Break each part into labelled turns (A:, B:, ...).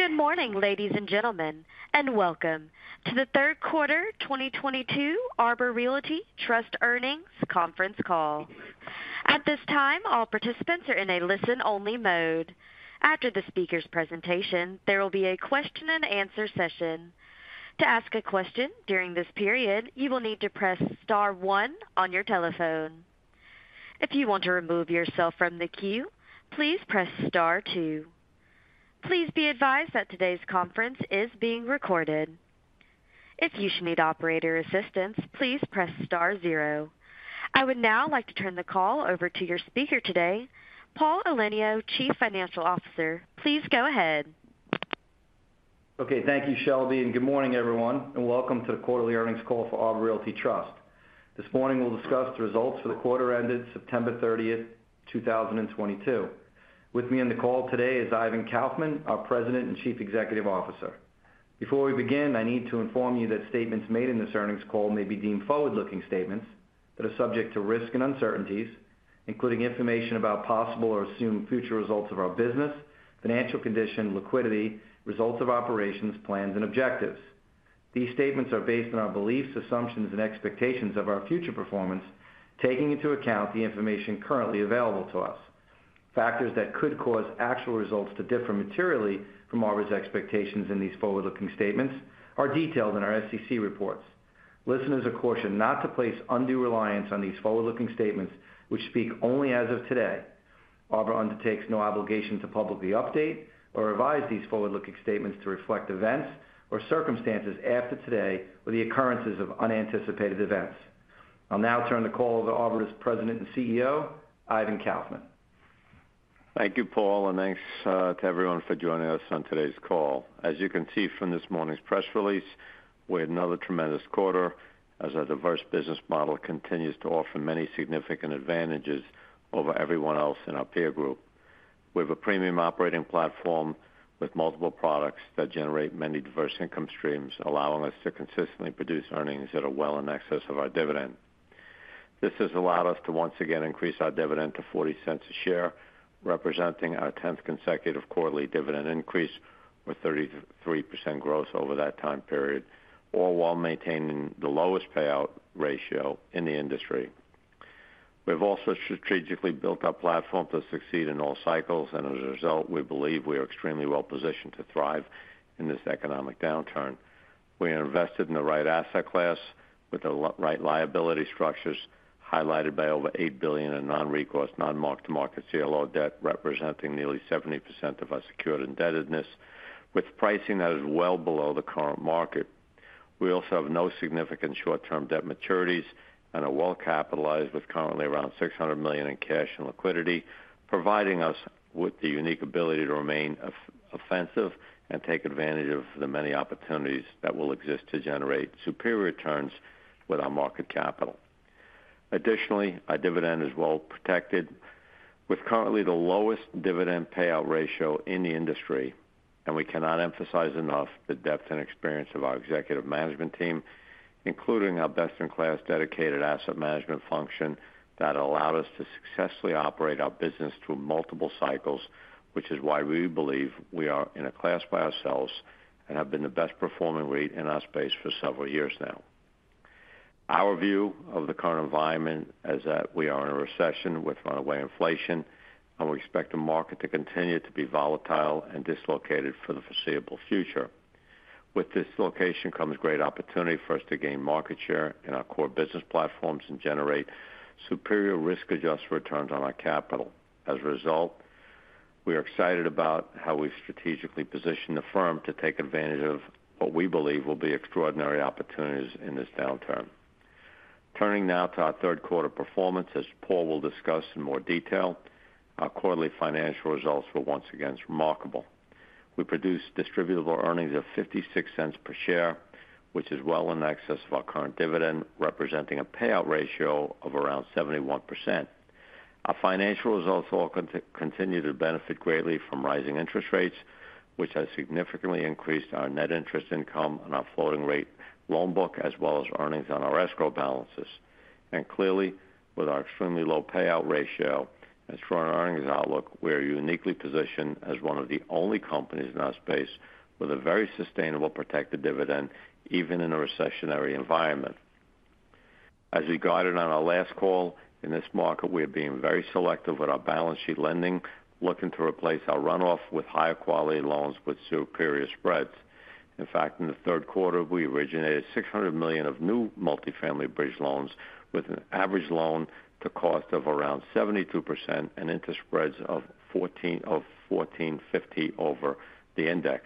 A: Good morning, ladies and gentlemen, and welcome to the third quarter 2022 Arbor Realty Trust Earnings Conference Call. At this time, all participants are in a listen-only mode. After the speaker's presentation, there will be a question-and-answer session. To ask a question during this period, you will need to press star one on your telephone. If you want to remove yourself from the queue, please press star two. Please be advised that today's conference is being recorded. If you should need operator assistance, please press star zero. I would now like to turn the call over to your speaker today, Paul Elenio, Chief Financial Officer. Please go ahead.
B: Okay. Thank you, Shelby, and good morning, everyone, and welcome to the quarterly earnings call for Arbor Realty Trust. This morning we'll discuss the results for the quarter ended September 30th, 2022. With me on the call today is Ivan Kaufman, our President and Chief Executive Officer. Before we begin, I need to inform you that statements made in this earnings call may be deemed forward-looking statements that are subject to risk and uncertainties, including information about possible or assumed future results of our business, financial condition, liquidity, results of operations, plans, and objectives. These statements are based on our beliefs, assumptions, and expectations of our future performance, taking into account the information currently available to us. Factors that could cause actual results to differ materially from Arbor's expectations in these forward-looking statements are detailed in our SEC reports. Listeners are cautioned not to place undue reliance on these forward-looking statements, which speak only as of today. Arbor undertakes no obligation to publicly update or revise these forward-looking statements to reflect events or circumstances after today or the occurrences of unanticipated events. I'll now turn the call over to Arbor's President and CEO, Ivan Kaufman.
C: Thank you, Paul, and thanks to everyone for joining us on today's call. As you can see from this morning's press release, we had another tremendous quarter as our diverse business model continues to offer many significant advantages over everyone else in our peer group. We have a premium operating platform with multiple products that generate many diverse income streams, allowing us to consistently produce earnings that are well in excess of our dividend. This has allowed us to once again increase our dividend to $0.40 a share, representing our tenth consecutive quarterly dividend increase with 33% growth over that time period, all while maintaining the lowest payout ratio in the industry. We've also strategically built our platform to succeed in all cycles, and as a result, we believe we are extremely well positioned to thrive in this economic downturn. We are invested in the right asset class with the right liability structures, highlighted by over $8 billion in non-recourse, non-marked-to-market CLO debt, representing nearly 70% of our secured indebtedness with pricing that is well below the current market. We also have no significant short-term debt maturities and are well capitalized with currently around $600 million in cash and liquidity, providing us with the unique ability to remain offensive and take advantage of the many opportunities that will exist to generate superior returns with our market capital. Additionally, our dividend is well protected with currently the lowest dividend payout ratio in the industry, and we cannot emphasize enough the depth and experience of our executive management team, including our best-in-class dedicated asset management function that allowed us to successfully operate our business through multiple cycles, which is why we believe we are in a class by ourselves and have been the best performing REIT in our space for several years now. Our view of the current environment is that we are in a recession with runaway inflation, and we expect the market to continue to be volatile and dislocated for the foreseeable future. With this dislocation comes great opportunity for us to gain market share in our core business platforms and generate superior risk-adjusted returns on our capital. As a result, we are excited about how we strategically position the firm to take advantage of what we believe will be extraordinary opportunities in this downturn. Turning now to our third quarter performance. As Paul will discuss in more detail, our quarterly financial results were once again remarkable. We produced distributable earnings of $0.56 per share, which is well in excess of our current dividend, representing a payout ratio of around 71%. Our financial results will continue to benefit greatly from rising interest rates, which has significantly increased our net interest income on our floating rate loan book as well as earnings on our escrow balances. Clearly, with our extremely low payout ratio and strong earnings outlook, we are uniquely positioned as one of the only companies in our space with a very sustainable protected dividend, even in a recessionary environment. As we guided on our last call, in this market, we are being very selective with our balance sheet lending, looking to replace our runoff with higher quality loans with superior spreads. In fact, in the third quarter, we originated $600 million of new multifamily bridge loans with an average loan to cost of around 72% and interest spreads of 14.50 over the index.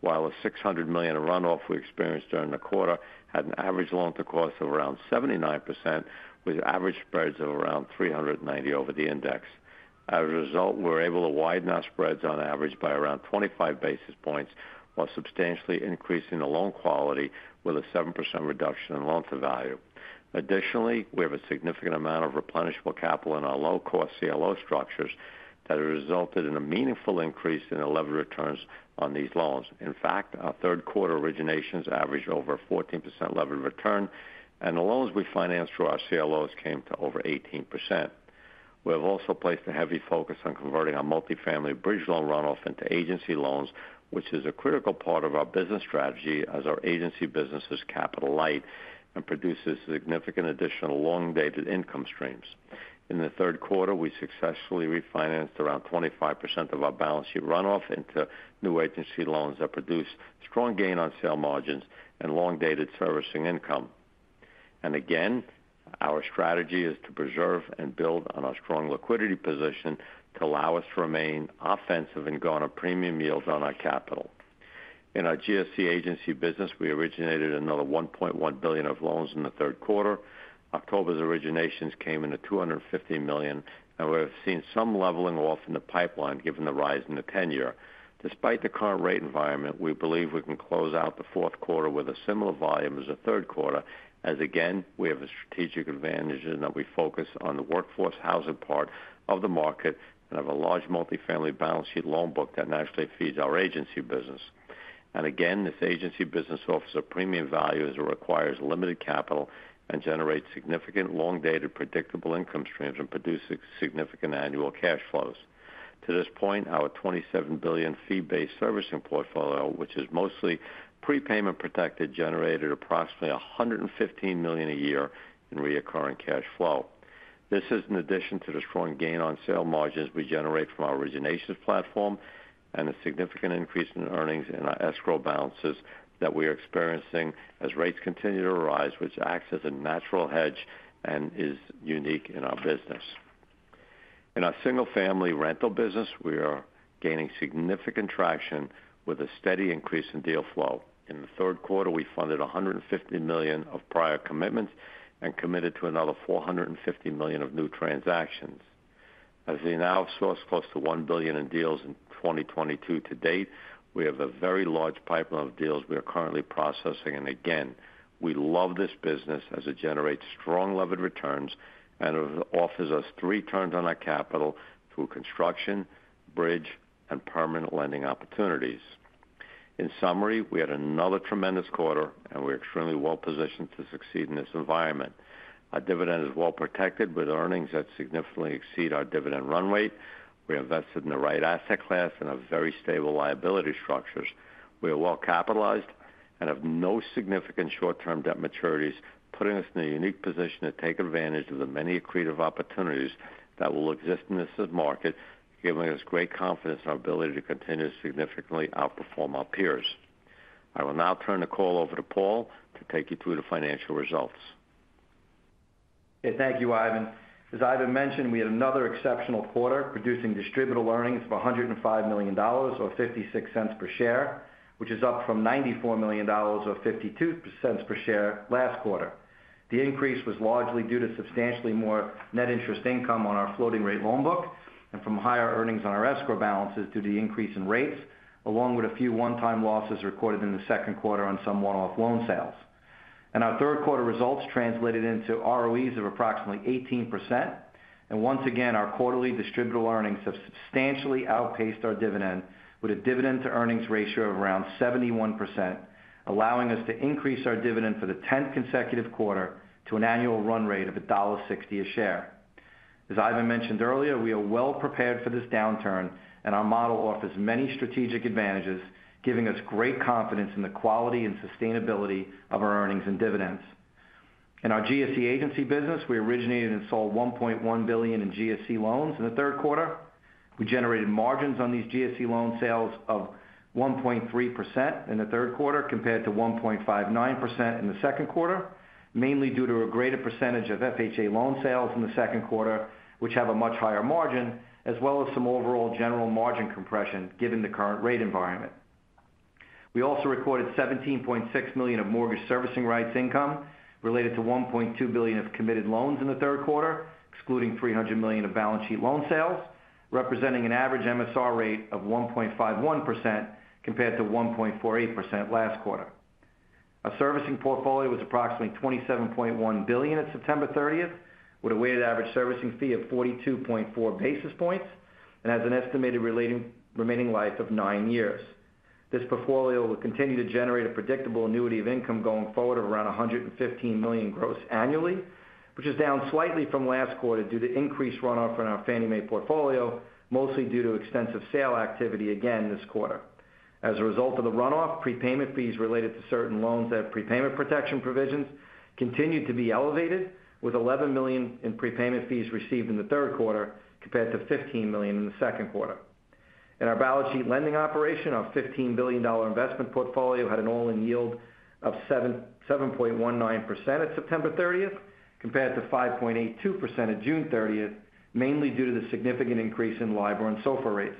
C: While the $600 million in runoff we experienced during the quarter had an average loan to cost of around 79% with average spreads of around 390 over the index. As a result, we're able to widen our spreads on average by around 25 basis points, while substantially increasing the loan quality with a 7% reduction in loan to value. Additionally, we have a significant amount of replenishable capital in our low-cost CLO structures that have resulted in a meaningful increase in the levered returns on these loans. In fact, our third quarter originations averaged over 14% levered return, and the loans we financed through our CLOs came to over 18%. We have also placed a heavy focus on converting our multifamily bridge loan runoff into agency loans, which is a critical part of our business strategy as our agency business is capital light and produces significant additional long-dated income streams. In the third quarter, we successfully refinanced around 25% of our balance sheet runoff into new agency loans that produce strong gain on sale margins and long-dated servicing income. Our strategy is to preserve and build on our strong liquidity position to allow us to remain offensive and go after premium yields on our capital. In our GSE agency business, we originated another $1.1 billion of loans in the third quarter. October's originations came in at $250 million, and we have seen some leveling off in the pipeline given the rise in the 10-year. Despite the current rate environment, we believe we can close out the fourth quarter with a similar volume as the third quarter, as again, we have the strategic advantages that we focus on the workforce housing part of the market and have a large multifamily balance sheet loan book that naturally feeds our agency business. Again, this agency business offers a premium value as it requires limited capital and generates significant long-dated predictable income streams and produces significant annual cash flows. To this point, our $27 billion fee-based servicing portfolio, which is mostly prepayment protected, generated approximately $115 million a year in recurring cash flow. This is in addition to the strong gain on sale margins we generate from our originations platform and a significant increase in earnings in our escrow balances that we are experiencing as rates continue to rise, which acts as a natural hedge and is unique in our business. In our single-family rental business, we are gaining significant traction with a steady increase in deal flow. In the third quarter, we funded $150 million of prior commitments and committed to another $450 million of new transactions. As we now source close to $1 billion in deals in 2022 to date, we have a very large pipeline of deals we are currently processing. Again, we love this business as it generates strong levered returns and it offers us returns on our capital through construction, bridge, and permanent lending opportunities. In summary, we had another tremendous quarter, and we're extremely well-positioned to succeed in this environment. Our dividend is well protected with earnings that significantly exceed our dividend runway. We invested in the right asset class and have very stable liability structures. We are well capitalized and have no significant short-term debt maturities, putting us in a unique position to take advantage of the many accretive opportunities that will exist in this market, giving us great confidence in our ability to continue to significantly outperform our peers. I will now turn the call over to Paul to take you through the financial results.
B: Okay. Thank you, Ivan. As Ivan mentioned, we had another exceptional quarter producing distributable earnings of $105 million or $0.56 per share, which is up from $94 million or $0.52 per share last quarter. The increase was largely due to substantially more net interest income on our floating rate loan book and from higher earnings on our escrow balances due to the increase in rates, along with a few one-time losses recorded in the second quarter on some one-off loan sales. Our third quarter results translated into ROEs of approximately 18%. Once again, our quarterly distributable earnings have substantially outpaced our dividend with a dividend to earnings ratio of around 71%, allowing us to increase our dividend for the tenth consecutive quarter to an annual run rate of $1.60 a share. As Ivan mentioned earlier, we are well prepared for this downturn, and our model offers many strategic advantages, giving us great confidence in the quality and sustainability of our earnings and dividends. In our GSE agency business, we originated and sold $1.1 billion in GSE loans in the third quarter. We generated margins on these GSE loan sales of 1.3% in the third quarter compared to 1.59% in the second quarter, mainly due to a greater percentage of FHA loan sales in the second quarter, which have a much higher margin, as well as some overall general margin compression given the current rate environment. We also recorded $17.6 million of mortgage servicing rights income related to $1.2 billion of committed loans in the third quarter, excluding $300 million of balance sheet loan sales, representing an average MSR rate of 1.51% compared to 1.48% last quarter. Our servicing portfolio was approximately $27.1 billion at September 30th, with a weighted average servicing fee of 42.4 basis points and has an estimated remaining life of nine years. This portfolio will continue to generate a predictable annuity of income going forward of around $115 million gross annually, which is down slightly from last quarter due to increased runoff in our Fannie Mae portfolio, mostly due to extensive sale activity again this quarter. As a result of the runoff, prepayment fees related to certain loans that have prepayment protection provisions continued to be elevated, with $11 million in prepayment fees received in the third quarter compared to $15 million in the second quarter. In our balance sheet lending operation, our $15 billion investment portfolio had an all-in yield of 7.19% at September 30th compared to 5.82% at June 30th, mainly due to the significant increase in LIBOR and SOFR rates.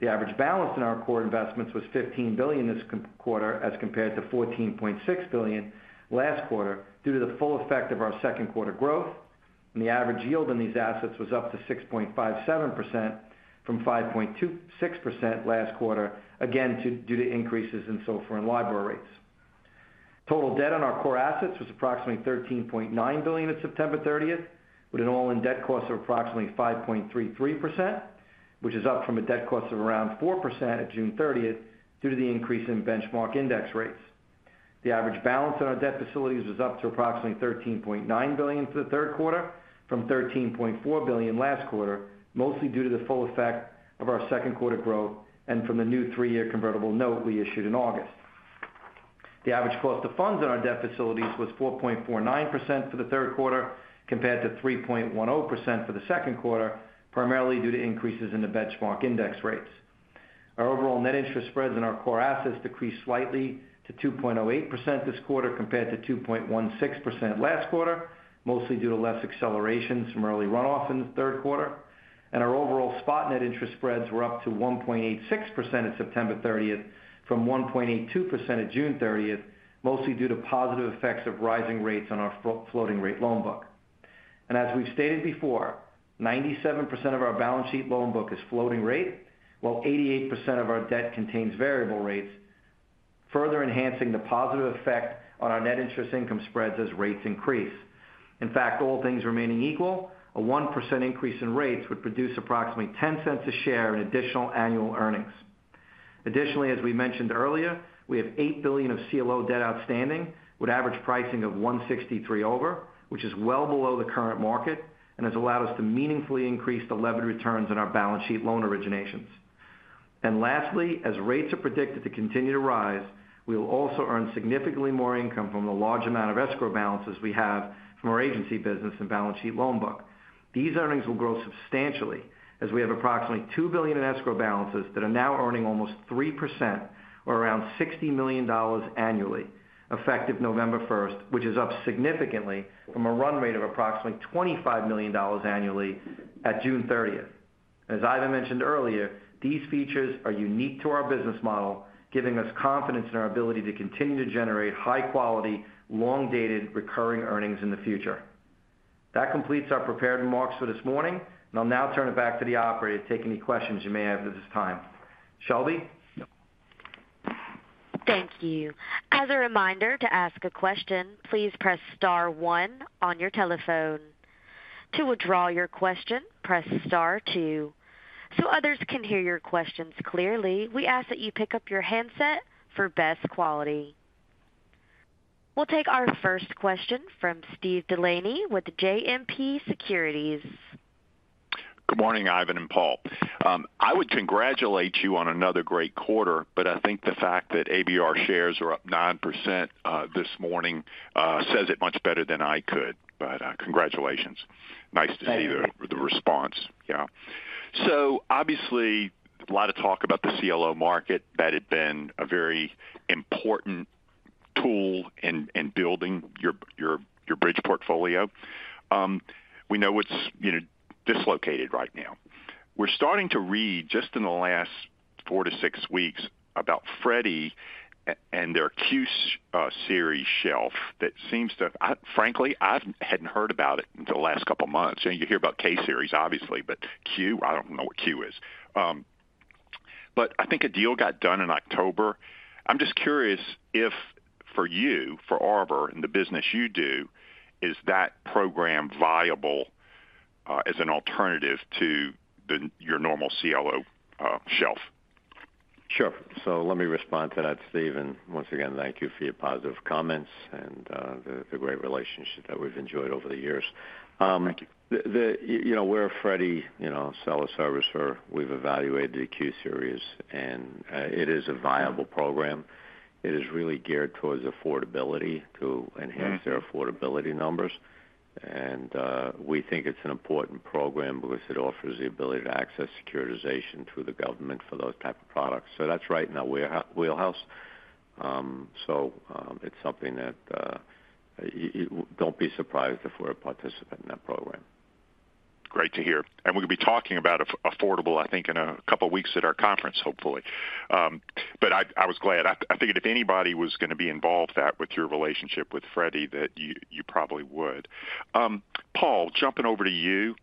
B: The average balance in our core investments was $15 billion this quarter as compared to $14.6 billion last quarter due to the full effect of our second quarter growth. The average yield on these assets was up to 6.57% from 5.26% last quarter, again, due to increases in SOFR and LIBOR rates. Total debt on our core assets was approximately $13.9 billion at September 30th, with an all-in debt cost of approximately 5.33%, which is up from a debt cost of around 4% at June 30th due to the increase in benchmark index rates. The average balance on our debt facilities was up to approximately $13.9 billion for the third quarter from $13.4 billion last quarter, mostly due to the full effect of our second quarter growth and from the new three-year convertible note we issued in August. The average cost of funds on our debt facilities was 4.49% for the third quarter compared to 3.10% for the second quarter, primarily due to increases in the benchmark index rates. Our overall net interest spreads in our core assets decreased slightly to 2.08% this quarter compared to 2.16% last quarter, mostly due to less acceleration, some early runoff in the third quarter. Our overall spot net interest spreads were up to 1.86% at September 30th from 1.82% at June 30th, mostly due to positive effects of rising rates on our floating rate loan book. As we've stated before, 97% of our balance sheet loan book is floating rate, while 88% of our debt contains variable rates, further enhancing the positive effect on our net interest income spreads as rates increase. In fact, all things remaining equal, a 1% increase in rates would produce approximately $0.10 a share in additional annual earnings. Additionally, as we mentioned earlier, we have $8 billion of CLO debt outstanding with average pricing of 163 over, which is well below the current market and has allowed us to meaningfully increase the levered returns on our balance sheet loan originations. Lastly, as rates are predicted to continue to rise, we will also earn significantly more income from the large amount of escrow balances we have from our agency business and balance sheet loan book. These earnings will grow substantially as we have approximately $2 billion in escrow balances that are now earning almost 3% or around $60 million annually, effective November 1st, which is up significantly from a run rate of approximately $25 million annually at June 30th. As Ivan mentioned earlier, these features are unique to our business model, giving us confidence in our ability to continue to generate high quality, long-dated recurring earnings in the future. That completes our prepared remarks for this morning, and I'll now turn it back to the operator to take any questions you may have at this time. Shelby?
A: Thank you. As a reminder, to ask a question, please press star one on your telephone. To withdraw your question, press star two. Others can hear your questions clearly, we ask that you pick up your handset for best quality. We'll take our first question from Steve Delaney with JMP Securities.
D: Good morning, Ivan and Paul. I would congratulate you on another great quarter, but I think the fact that ABR shares are up 9% this morning says it much better than I could. Congratulations. Nice to see.
B: Thank you.
D: Yeah. Obviously a lot of talk about the CLO market. That had been a very important tool in building your bridge portfolio. We know it's, you know, dislocated right now. We're starting to read just in the last four to six weeks about Freddie Mac and their Q-Series shelf. That seems to frankly, I hadn't heard about it until the last couple of months. You know, you hear about K-series, obviously, but Q, I don't know what Q is. But I think a deal got done in October. I'm just curious if for you, for Arbor and the business you do, is that program viable as an alternative to your normal CLO shelf?
B: Sure. Let me respond to that, Steve. Once again, thank you for your positive comments and the great relationship that we've enjoyed over the years.
D: Thank you.
C: You know, we're a Freddie Mac seller-servicer. We've evaluated the Q-Series, and it is a viable program. It is really geared towards affordability to enhance.
D: Mm-hmm.
B: Their affordability numbers. We think it's an important program because it offers the ability to access securitization through the government for those type of products. That's right in our wheelhouse. It's something that you don't be surprised if we're a participant in that program.
D: Great to hear. We're gonna be talking about affordable, I think, in a couple weeks at our conference, hopefully. I was glad. I figured if anybody was gonna be involved that with your relationship with Freddie, that you probably would. Paul, jumping over to you.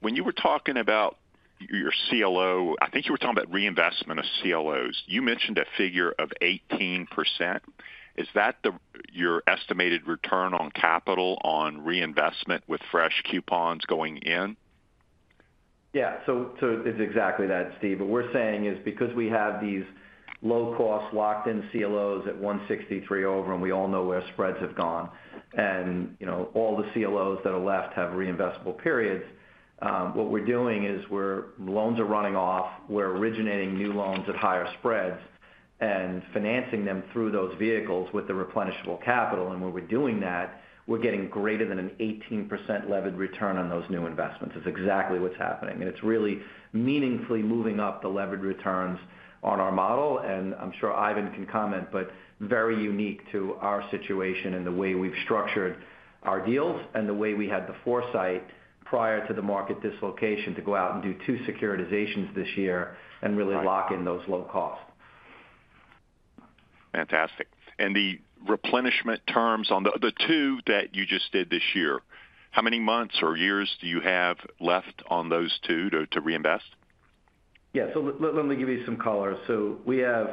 D: When you were talking about your CLO, I think you were talking about reinvestment of CLOs. You mentioned a figure of 18%. Is that your estimated return on capital on reinvestment with fresh coupons going in?
B: Yeah. It's exactly that, Steve. What we're saying is because we have these low costs locked in CLOs at 163 over, and we all know where spreads have gone. You know, all the CLOs that are left have reinvestable periods. What we're doing is loans are running off. We're originating new loans at higher spreads and financing them through those vehicles with the replenishable capital. When we're doing that, we're getting greater than an 18% levered return on those new investments. That's exactly what's happening. It's really meaningfully moving up the levered returns on our model, and I'm sure Ivan can comment, but very unique to our situation and the way we've structured our deals and the way we had the foresight prior to the market dislocation to go out and do two securitizations this year and really lock in those low costs.
D: Fantastic. The replenishment terms on the two that you just did this year, how many months or years do you have left on those two to reinvest?
B: Yeah. Let me give you some color. We have,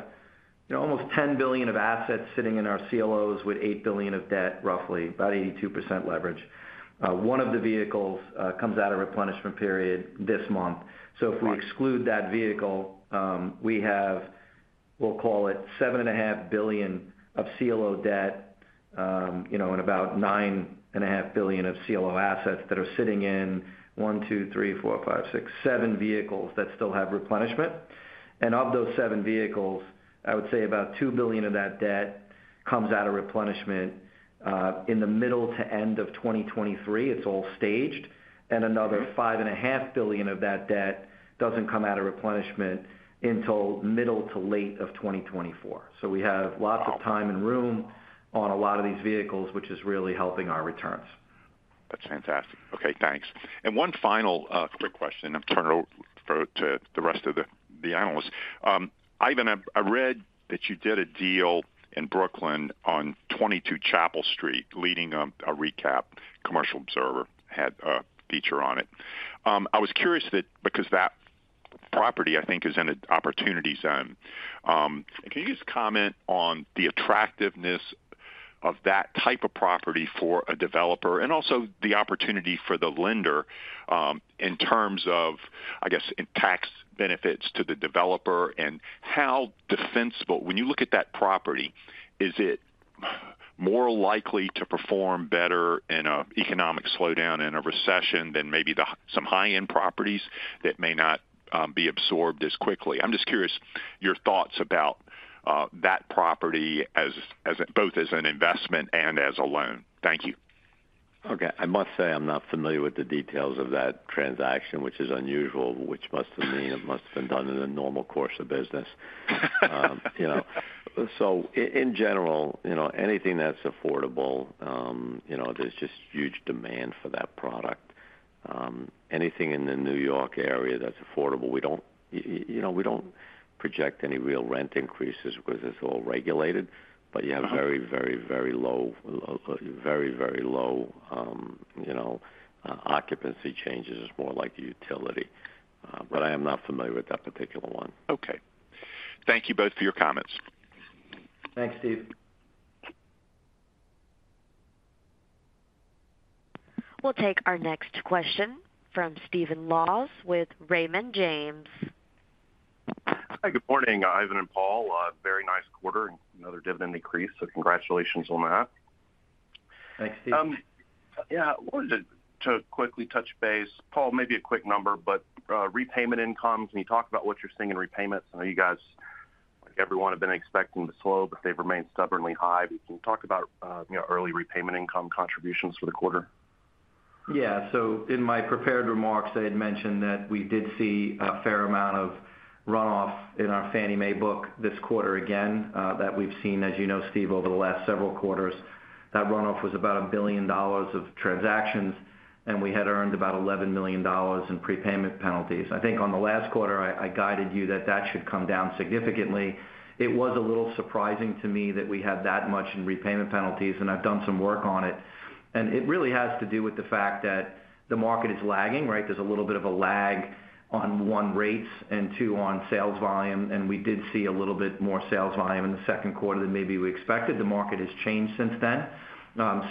B: you know, almost $10 billion of assets sitting in our CLOs with $8 billion of debt, roughly about 82% leverage. One of the vehicles comes out of replenishment period this month. If we exclude that vehicle, we have, we'll call it $7.5 billion of CLO debt, you know, and about $9.5 billion of CLO assets that are sitting in one, two, three, four, five, six, seven vehicles that still have replenishment. Of those seven vehicles, I would say about $2 billion of that debt comes out of replenishment in the middle to end of 2023. It's all staged. Another $5.5 billion of that debt doesn't come out of replenishment until middle to late of 2024. We have lots of time and room on a lot of these vehicles, which is really helping our returns.
D: That's fantastic. Okay, thanks. One final quick question and turn over to the rest of the analysts. Ivan, I read that you did a deal in Brooklyn on 22 Chapel Street, leading up a recap. Commercial Observer had a feature on it. I was curious that because that property, I think, is in an Opportunity Zone. Can you just comment on the attractiveness of that type of property for a developer and also the opportunity for the lender, in terms of, I guess, in tax benefits to the developer and how defensible? When you look at that property, is it more likely to perform better in an economic slowdown in a recession than maybe some high-end properties that may not be absorbed as quickly? I'm just curious about your thoughts about that property as both an investment and as a loan. Thank you.
C: Okay. I must say I'm not familiar with the details of that transaction, which is unusual. It must have been done in the normal course of business. You know, in general, you know, anything that's affordable, you know, there's just huge demand for that product. Anything in the New York area that's affordable, we don't, you know, we don't project any real rent increases because it's all regulated. You have very low occupancy changes. It's more like a utility. I am not familiar with that particular one.
D: Okay. Thank you both for your comments.
B: Thanks, Steve.
A: We'll take our next question from Steven Laws with Raymond James.
E: Hi. Good morning, Ivan and Paul. A very nice quarter and another dividend increase. Congratulations on that.
C: Thanks, Steve.
E: Yeah, wanted to quickly touch base. Paul, maybe a quick number, but repayment income. Can you talk about what you're seeing in repayments? I know you guys, like everyone, have been expecting to slow, but they've remained stubbornly high. Can you talk about, you know, early repayment income contributions for the quarter?
B: Yeah. In my prepared remarks, I had mentioned that we did see a fair amount of runoff in our Fannie Mae book this quarter again, that we've seen, as you know, Steve, over the last several quarters. That runoff was about $1 billion of transactions, and we had earned about $11 million in prepayment penalties. I think on the last quarter, I guided you that that should come down significantly. It was a little surprising to me that we had that much in prepayment penalties, and I've done some work on it, and it really has to do with the fact that the market is lagging, right? There's a little bit of a lag on, one, rates and two, on sales volume, and we did see a little bit more sales volume in the second quarter than maybe we expected. The market has changed since then.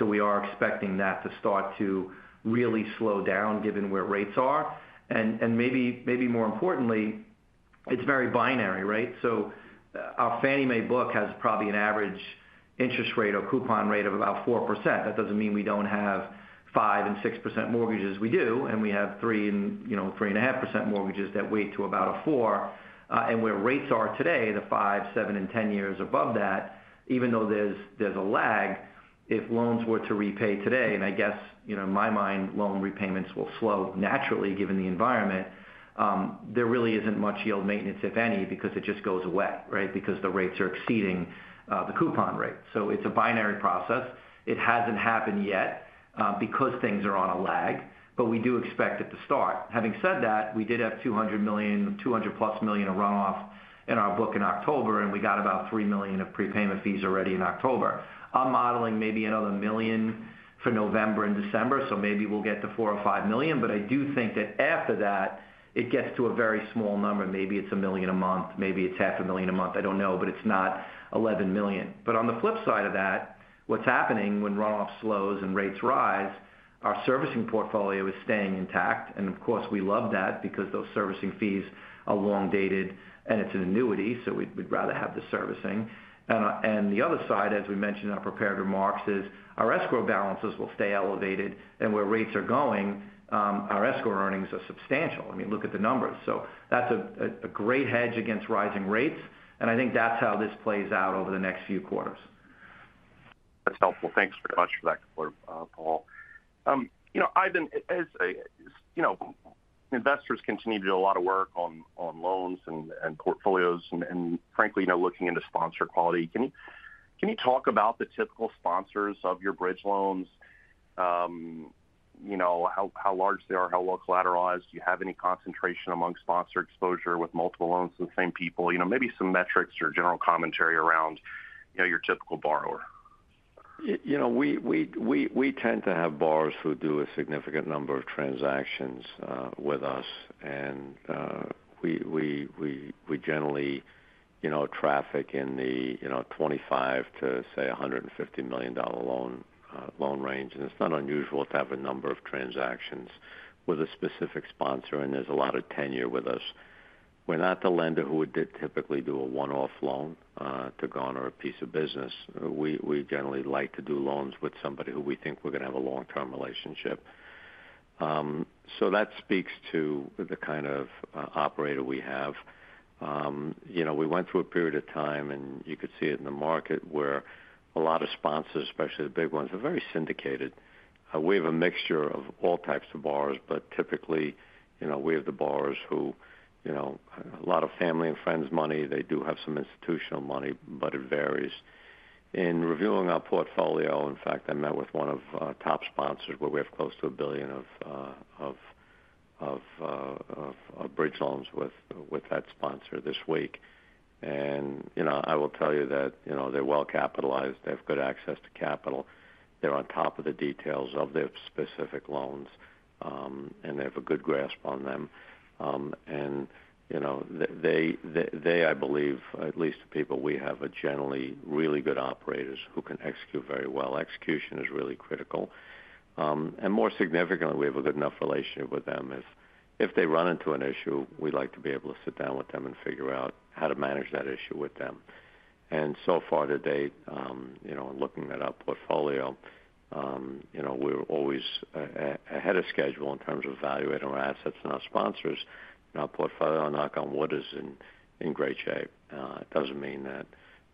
B: We are expecting that to start to really slow down given where rates are. Maybe more importantly, it's very binary, right? Our Fannie Mae book has probably an average interest rate or coupon rate of about 4%. That doesn't mean we don't have 5% and 6% mortgages. We do. We have 3% and, you know, 3.5% mortgages that weigh to about 4%. Where rates are today, the five-, seven-, and 10-year above that, even though there's a lag, if loans were to repay today, and I guess, you know, in my mind, loan repayments will slow naturally given the environment, there really isn't much yield maintenance, if any, because it just goes away, right? Because the rates are exceeding the coupon rate. It's a binary process. It hasn't happened yet because things are on a lag, but we do expect it to start. Having said that, we did have $200 million, $200+ million of runoff in our book in October, and we got about $3 million of prepayment fees already in October. I'm modeling maybe another $1 million for November and December, so maybe we'll get to $4 million-$5 million. I do think that after that it gets to a very small number. Maybe it's $1 million a month, maybe it's $0.5 million a month. I don't know, but it's not $11 million. On the flip side of that, what's happening when runoff slows and rates rise, our servicing portfolio is staying intact. Of course, we love that because those servicing fees are long dated and it's an annuity, so we'd rather have the servicing. The other side, as we mentioned in our prepared remarks, is our escrow balances will stay elevated. Where rates are going, our escrow earnings are substantial. I mean, look at the numbers. That's a great hedge against rising rates, and I think that's how this plays out over the next few quarters.
E: That's helpful. Thanks very much for that, Paul. You know, Ivan, as you know, investors continue to do a lot of work on loans and portfolios and frankly, you know, looking into sponsor quality. Can you talk about the typical sponsors of your bridge loans? You know, how large they are, how well collateralized? Do you have any concentration among sponsor exposure with multiple loans to the same people? You know, maybe some metrics or general commentary around, you know, your typical borrower.
C: You know, we tend to have borrowers who do a significant number of transactions with us. We generally, you know, traffic in the $25 million to, say, $150 million loan range. It's not unusual to have a number of transactions with a specific sponsor, and there's a lot of tenure with us. We're not the lender who would typically do a one-off loan to garner a piece of business. We generally like to do loans with somebody who we think we're gonna have a long-term relationship. That speaks to the kind of operator we have. You know, we went through a period of time, and you could see it in the market, where a lot of sponsors, especially the big ones, are very syndicated. We have a mixture of all types of borrowers, but typically, you know, we have the borrowers who, you know, a lot of family and friends' money. They do have some institutional money, but it varies. In reviewing our portfolio, in fact, I met with one of our top sponsors, where we have close to $1 billion of bridge loans with that sponsor this week. You know, I will tell you that, you know, they're well capitalized. They have good access to capital. They're on top of the details of their specific loans, and they have a good grasp on them. You know, they, I believe, at least the people we have, are generally really good operators who can execute very well. Execution is really critical. More significantly, we have a good enough relationship with them is if they run into an issue, we like to be able to sit down with them and figure out how to manage that issue with them. So far to date, you know, in looking at our portfolio, you know, we're always ahead of schedule in terms of evaluating our assets and our sponsors. Our portfolio, knock on wood, is in great shape. It doesn't mean that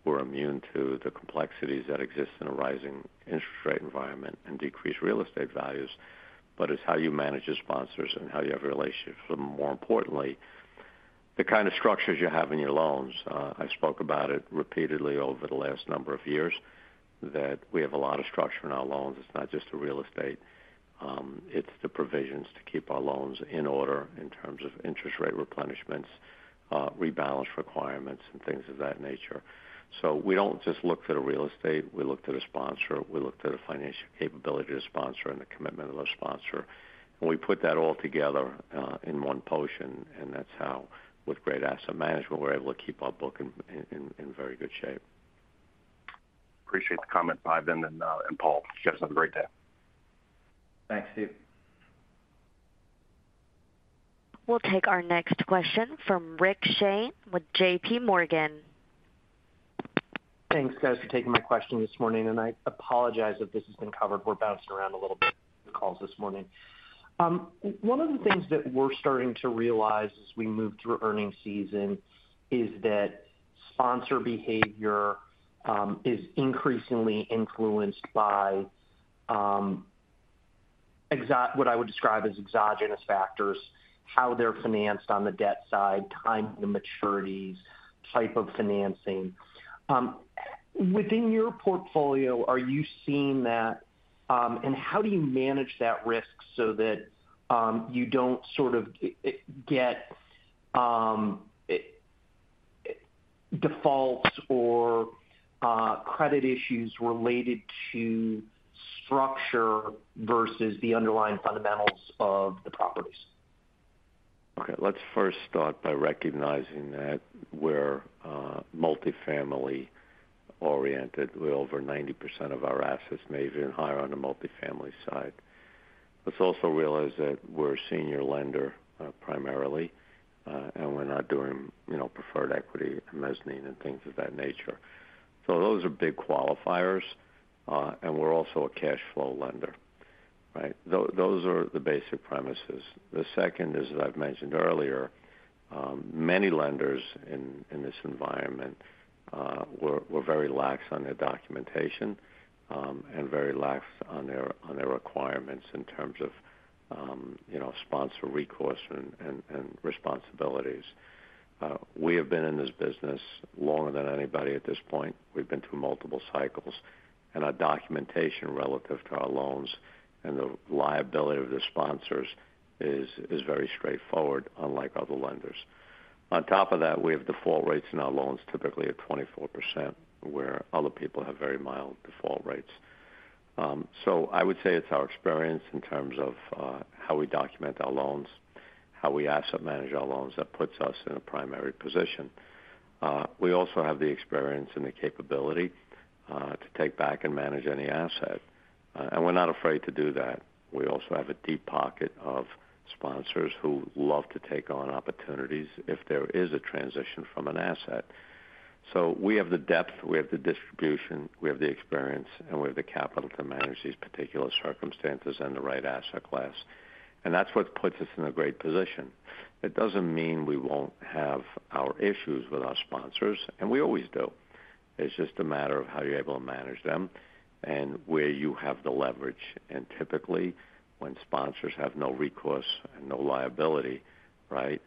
C: we're immune to the complexities that exist in a rising interest rate environment and decreased real estate values, but it's how you manage your sponsors and how you have relationships. More importantly, the kind of structures you have in your loans. I spoke about it repeatedly over the last number of years, that we have a lot of structure in our loans. It's not just the real estate. It's the provisions to keep our loans in order in terms of interest rate replenishments, rebalance requirements, and things of that nature. We don't just look at a real estate. We look at a sponsor. We look at the financial capability of the sponsor and the commitment of the sponsor. We put that all together in one potion, and that's how, with great asset management, we're able to keep our book in very good shape.
E: Appreciate the comment, Ivan and Paul. You guys have a great day.
C: Thanks, Steve.
A: We'll take our next question from Richard Shane with J.P. Morgan.
F: Thanks, guys, for taking my question this morning. I apologize if this has been covered. We're bouncing around a little bit with the calls this morning. One of the things that we're starting to realize as we move through earnings season is that sponsor behavior is increasingly influenced by what I would describe as exogenous factors, how they're financed on the debt side, timing the maturities, type of financing. Within your portfolio, are you seeing that, and how do you manage that risk so that you don't sort of get defaults or credit issues related to structure versus the underlying fundamentals of the properties?
C: Okay. Let's first start by recognizing that we're multifamily-oriented with over 90% of our assets, maybe even higher on the multifamily side. Let's also realize that we're a senior lender primarily, and we're not doing, you know, preferred equity, mezzanine, and things of that nature. Those are big qualifiers, and we're also a cash flow lender, right? Those are the basic premises. The second is, as I've mentioned earlier, many lenders in this environment were very lax on their documentation, and very lax on their requirements in terms of, you know, sponsor recourse and responsibilities. We have been in this business longer than anybody at this point. We've been through multiple cycles. Our documentation relative to our loans and the liability of the sponsors is very straightforward, unlike other lenders. On top of that, we have default rates in our loans typically at 24%, where other people have very mild default rates. I would say it's our experience in terms of how we document our loans, how we asset manage our loans that puts us in a primary position. We also have the experience and the capability to take back and manage any asset. We're not afraid to do that. We also have a deep pocket of sponsors who love to take on opportunities if there is a transition from an asset. We have the depth, we have the distribution, we have the experience, and we have the capital to manage these particular circumstances and the right asset class. That's what puts us in a great position. It doesn't mean we won't have our issues with our sponsors, and we always do. It's just a matter of how you're able to manage them and where you have the leverage. Typically, when sponsors have no recourse and no liability, right,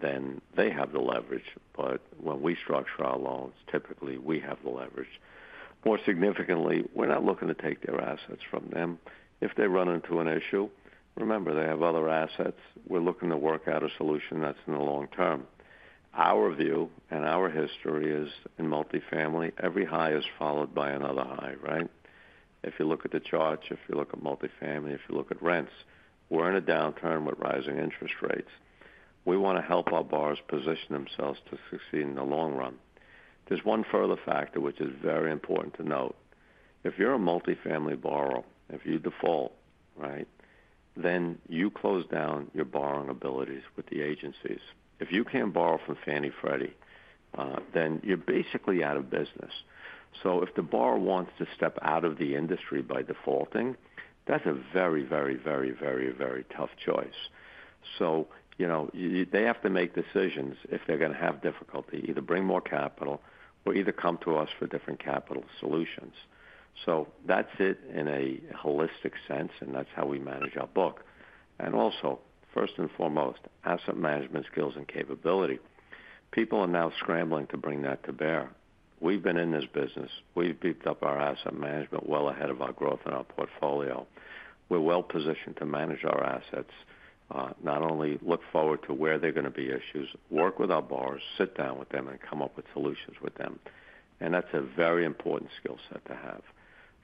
C: then they have the leverage. When we structure our loans, typically we have the leverage. More significantly, we're not looking to take their assets from them. If they run into an issue, remember, they have other assets. We're looking to work out a solution that's in the long term. Our view and our history is in multifamily. Every high is followed by another high, right? If you look at the charts, if you look at multifamily, if you look at rents, we're in a downturn with rising interest rates. We wanna help our borrowers position themselves to succeed in the long run. There's one further factor which is very important to note. If you're a multifamily borrower, if you default, right, then you close down your borrowing abilities with the agencies. If you can't borrow from Fannie / Freddie, then you're basically out of business. If the borrower wants to step out of the industry by defaulting, that's a very tough choice. You know, they have to make decisions if they're gonna have difficulty, either bring more capital or either come to us for different capital solutions. That's it in a holistic sense, and that's how we manage our book. Also, first and foremost, asset management skills and capability. People are now scrambling to bring that to bear. We've been in this business. We've beefed up our asset management well ahead of our growth in our portfolio. We're well positioned to manage our assets, not only look forward to where they're gonna be issues, work with our borrowers, sit down with them, and come up with solutions with them. That's a very important skill set to have.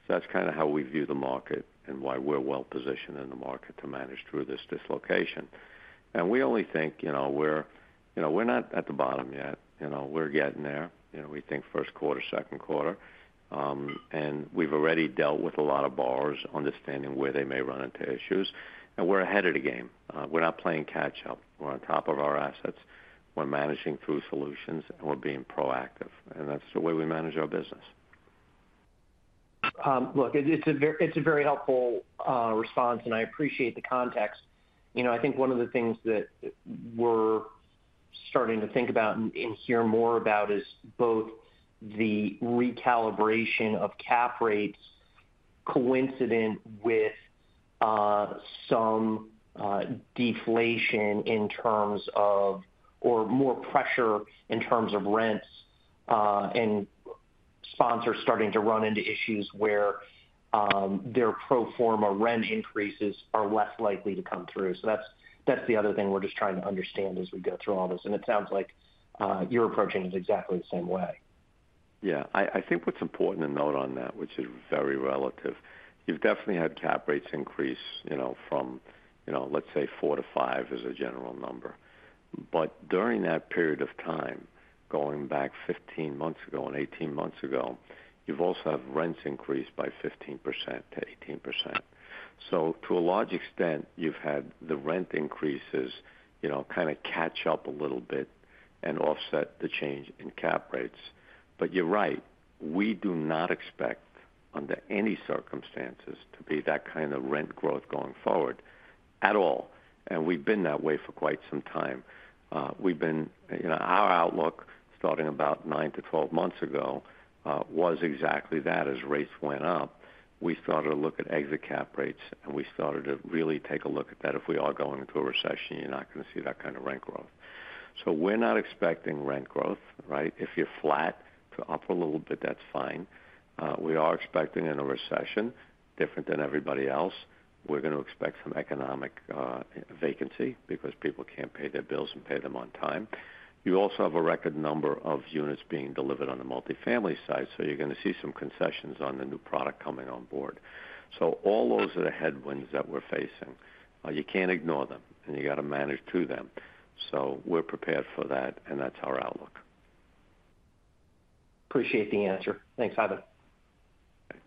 C: That's kinda how we view the market and why we're well positioned in the market to manage through this dislocation. We only think, you know, we're not at the bottom yet. You know, we're getting there. You know, we think first quarter, second quarter. We've already dealt with a lot of borrowers understanding where they may run into issues. We're ahead of the game. We're not playing catch up. We're on top of our assets. We're managing through solutions, and we're being proactive, and that's the way we manage our business.
F: Look, it's a very helpful response, and I appreciate the context. You know, I think one of the things that we're starting to think about and hear more about is both the recalibration of cap rates coincident with some deflation in terms of, or more pressure in terms of rents, and sponsors starting to run into issues where their pro forma rent increases are less likely to come through. That's the other thing we're just trying to understand as we go through all this. It sounds like you're approaching it exactly the same way.
C: Yeah. I think what's important to note on that, which is very relative, you've definitely had cap rates increase, you know, from, you know, let's say four to five as a general number. During that period of time, going back 15 months ago and 18 months ago, you've also have rents increased by 15%-18%. To a large extent, you've had the rent increases, you know, kinda catch up a little bit and offset the change in cap rates. You're right, we do not expect under any circumstances to be that kind of rent growth going forward at all. We've been that way for quite some time. We've been, you know, our outlook starting about nine to 12 months ago was exactly that. As rates went up, we started to look at exit cap rates, and we started to really take a look at that. If we are going into a recession, you're not gonna see that kind of rent growth. We're not expecting rent growth, right? If you're flat to up a little bit, that's fine. We are expecting in a recession, different than everybody else, we're gonna expect some economic vacancy because people can't pay their bills and pay them on time. You also have a record number of units being delivered on the multifamily side, so you're gonna see some concessions on the new product coming on board. All those are the headwinds that we're facing. You can't ignore them, and you gotta manage through them. We're prepared for that, and that's our outlook.
F: Appreciate the answer. Thanks, Ivan.
C: Okay.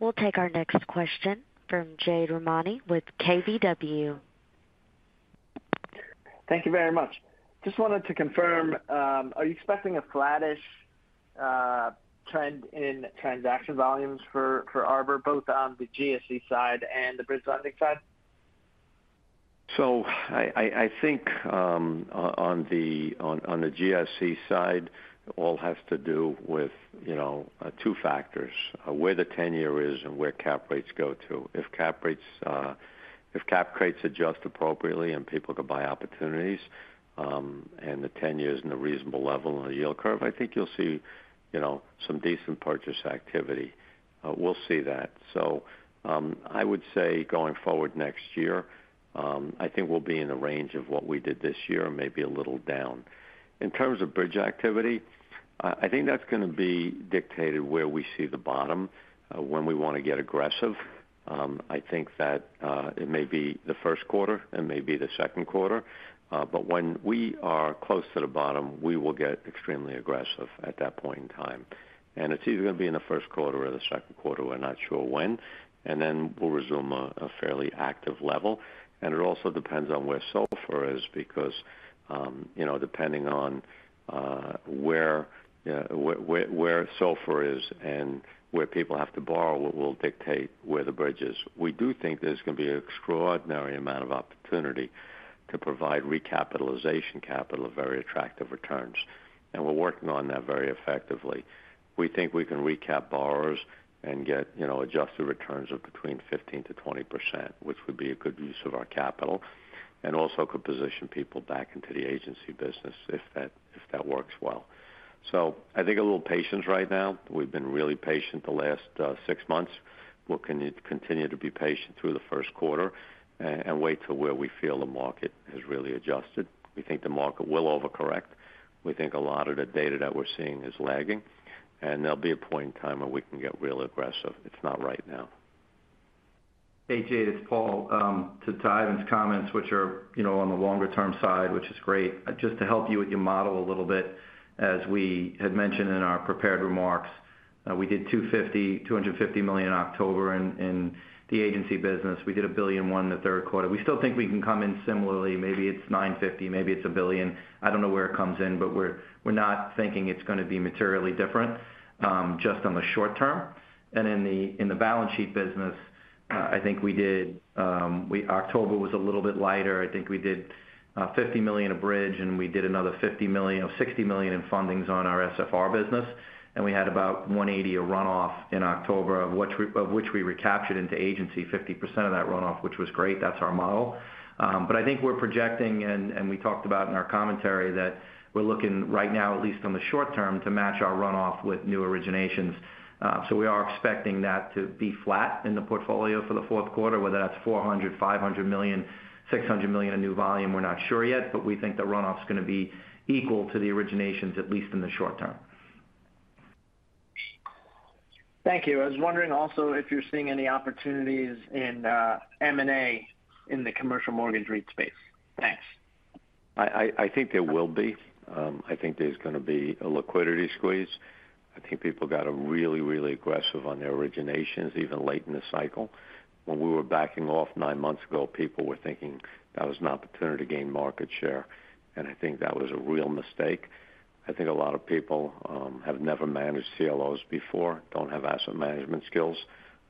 A: We'll take our next question from Jade Rahmani with KBW.
G: Thank you very much. Just wanted to confirm, are you expecting a flattish trend in transaction volumes for Arbor, both on the GSE side and the bridge lending side?
C: I think on the GSE side, all has to do with, you know, two factors, where the 10-year is and where cap rates go to. If cap rates adjust appropriately and people could buy opportunities, and the 10-year in a reasonable level on the yield curve, I think you'll see, you know, some decent purchase activity. We'll see that. I would say going forward next year, I think we'll be in the range of what we did this year, maybe a little down. In terms of bridge activity, I think that's gonna be dictated by where we see the bottom, when we wanna get aggressive. I think that it may be the first quarter, it may be the second quarter. When we are close to the bottom, we will get extremely aggressive at that point in time. It's either gonna be in the first quarter or the second quarter. We're not sure when. We'll resume a fairly active level. It also depends on where SOFR is because, you know, depending on where SOFR is and where people have to borrow will dictate where the bridge is. We do think there's gonna be an extraordinary amount of opportunity to provide recapitalization capital of very attractive returns, and we're working on that very effectively. We think we can recap borrowers and get, you know, adjusted returns of between 15% to 20%, which would be a good use of our capital, and also could position people back into the agency business if that works well. I think a little patience right now. We've been really patient the last six months. We're continue to be patient through the first quarter and wait till where we feel the market has really adjusted. We think the market will over-correct. We think a lot of the data that we're seeing is lagging, and there'll be a point in time where we can get real aggressive. It's not right now.
B: Hey, Jade, it's Paul. To Ivan's comments, which are, you know, on the longer term side, which is great. Just to help you with your model a little bit, as we had mentioned in our prepared remarks, we did $250 million in October in the agency business. We did $1.1 billion the third quarter. We still think we can come in similarly. Maybe it's $950 million, maybe it's $1 billion. I don't know where it comes in, but we're not thinking it's gonna be materially different, just on the short term. In the balance sheet business, I think we did October was a little bit lighter. I think we did $50 million of bridge, and we did another $50 million or $60 million in fundings on our SFR business. We had about $180 million runoff in October, of which we recaptured into agency 50% of that runoff, which was great. That's our model. I think we're projecting, and we talked about in our commentary, that we're looking right now, at least in the short term, to match our runoff with new originations. We are expecting that to be flat in the portfolio for the fourth quarter, whether that's $400 million, $500 million, $600 million in new volume, we're not sure yet. We think the runoff's gonna be equal to the originations, at least in the short term.
G: Thank you. I was wondering also if you're seeing any opportunities in M&A in the commercial mortgage REIT space? Thanks.
C: I think there will be. I think there's gonna be a liquidity squeeze. I think people got really aggressive on their originations, even late in the cycle. When we were backing off nine months ago, people were thinking that was an opportunity to gain market share, and I think that was a real mistake. I think a lot of people have never managed CLOs before, don't have asset management skills,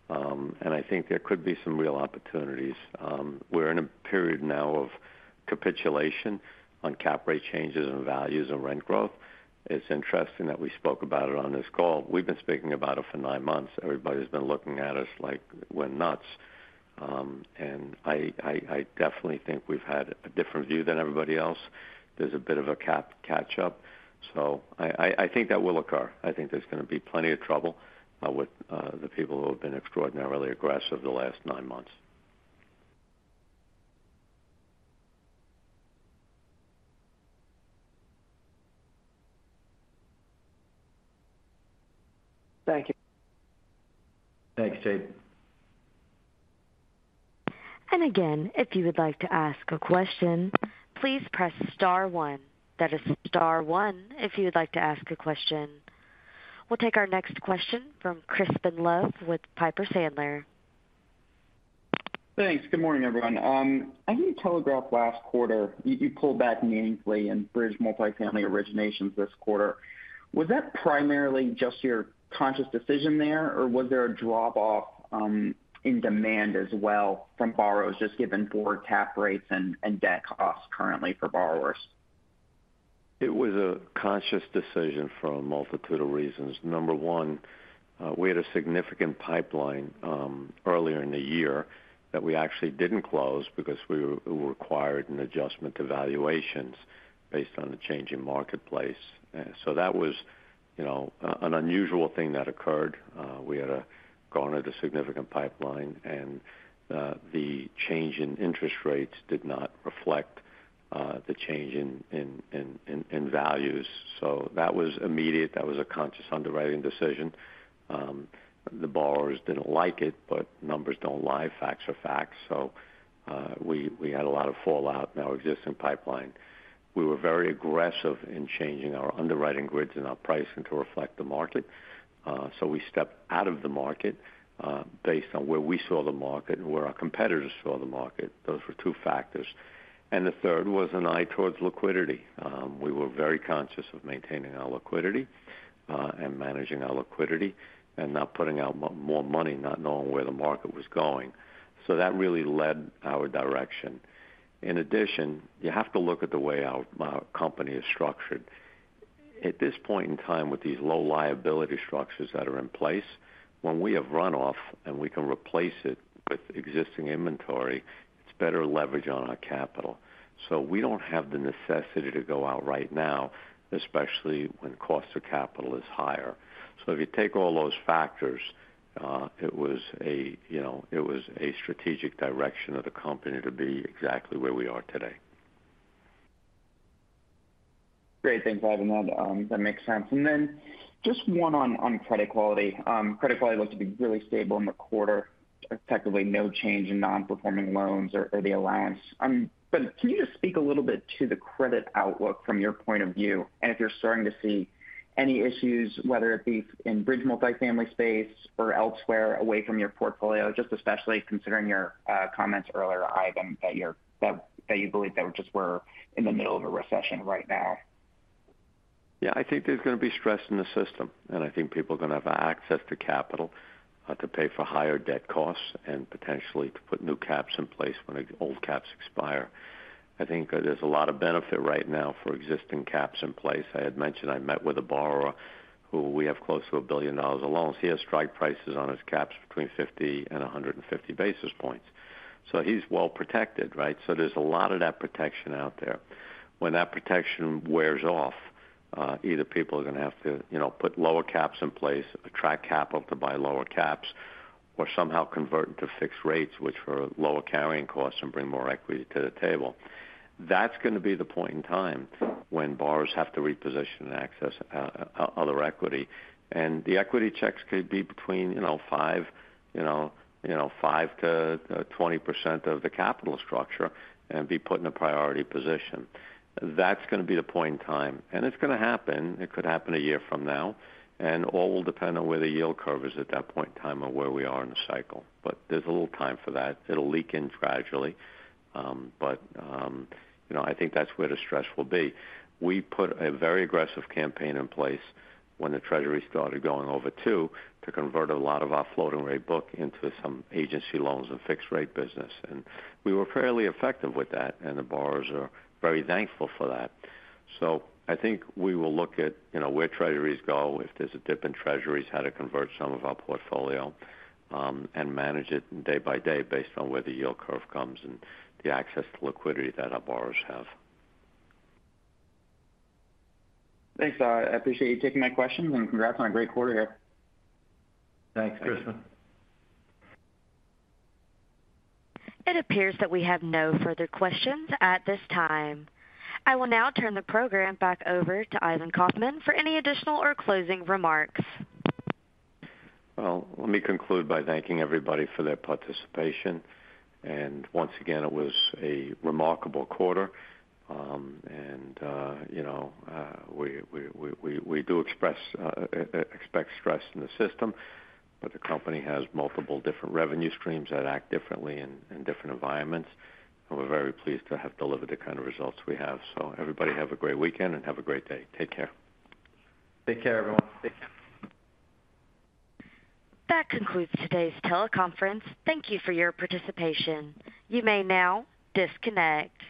C: and I think there could be some real opportunities. We're in a period now of capitulation on cap rate changes and values and rent growth. It's interesting that we spoke about it on this call. We've been speaking about it for nine months. Everybody's been looking at us like we're nuts. I definitely think we've had a different view than everybody else. There's a bit of a cap catch up, so I think that will occur. I think there's gonna be plenty of trouble with the people who have been extraordinarily aggressive the last nine months.
G: Thank you.
B: Thanks, Jade.
A: Again, if you would like to ask a question, please press star one. That is star one, if you would like to ask a question. We'll take our next question from Crispin Love with Piper Sandler.
H: Thanks. Good morning, everyone. I think you telegraphed last quarter you pulled back meaningfully in bridge multifamily originations this quarter. Was that primarily just your conscious decision there, or was there a drop-off in demand as well from borrowers, just given forward cap rates and debt costs currently for borrowers?
C: It was a conscious decision for a multitude of reasons. Number one, we had a significant pipeline earlier in the year that we actually didn't close because it required an adjustment to valuations based on the change in marketplace. That was, you know, an unusual thing that occurred. We had garnered a significant pipeline, and the change in interest rates did not reflect the change in values. That was immediate. That was a conscious underwriting decision. The borrowers didn't like it, but numbers don't lie. Facts are facts. We had a lot of fallout in our existing pipeline. We were very aggressive in changing our underwriting grids and our pricing to reflect the market. We stepped out of the market based on where we saw the market and where our competitors saw the market. Those were two factors. The third was an eye towards liquidity. We were very conscious of maintaining our liquidity and managing our liquidity and not putting out more money, not knowing where the market was going. That really led our direction. In addition, you have to look at the way our company is structured. At this point in time with these low liability structures that are in place, when we have runoff and we can replace it with existing inventory, it's better leverage on our capital. We don't have the necessity to go out right now, especially when cost of capital is higher. If you take all those factors, it was a, you know, strategic direction of the company to be exactly where we are today.
H: Great. Thanks, Ivan. That makes sense. Just one on credit quality. Credit quality looks to be really stable in the quarter. Effectively no change in non-performing loans or the allowance. Can you just speak a little bit to the credit outlook from your point of view? If you're starting to see any issues, whether it be in bridge multifamily space or elsewhere away from your portfolio, just especially considering your comments earlier, Ivan, that you believe that we're in the middle of a recession right now.
C: Yeah. I think there's gonna be stress in the system, and I think people are gonna have access to capital to pay for higher debt costs and potentially to put new caps in place when the old caps expire. I think there's a lot of benefit right now for existing caps in place. I had mentioned I met with a borrower who we have close to $1 billion of loans. He has strike prices on his caps between 50 and 150 basis points. So he's well protected, right? So there's a lot of that protection out there. When that protection wears off, either people are gonna have to, you know, put lower caps in place, attract capital to buy lower caps, or somehow convert to fixed rates which are lower carrying costs and bring more equity to the table. That's gonna be the point in time when borrowers have to reposition and access other equity. The equity checks could be between, you know, 5%-20% of the capital structure and be put in a priority position. That's gonna be the point in time, and it's gonna happen. It could happen a year from now. All will depend on where the yield curve is at that point in time or where we are in the cycle. There's a little time for that. It'll leak in gradually. You know, I think that's where the stress will be. We put a very aggressive campaign in place when the Treasury started going over 2% to convert a lot of our floating rate book into some agency loans and fixed rate business. We were fairly effective with that, and the borrowers are very thankful for that. I think we will look at, you know, where Treasuries go, if there's a dip in Treasuries, how to convert some of our portfolio, and manage it day by day based on where the yield curve comes and the access to liquidity that our borrowers have.
H: Thanks. I appreciate you taking my questions and congrats on a great quarter here.
C: Thanks. Thanks.
A: It appears that we have no further questions at this time. I will now turn the program back over to Ivan Kaufman for any additional or closing remarks.
C: Well, let me conclude by thanking everybody for their participation. Once again, it was a remarkable quarter. You know, we do expect stress in the system, but the company has multiple different revenue streams that act differently in different environments. We're very pleased to have delivered the kind of results we have. Everybody have a great weekend and have a great day. Take care. Take care everyone. Take care.
A: That concludes today's teleconference. Thank you for your participation. You may now disconnect.